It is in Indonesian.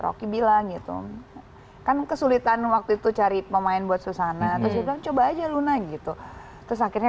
rocky bilang gitu kan kesulitan waktu itu cari pemain buat susana terus bilang coba aja luna gitu terus akhirnya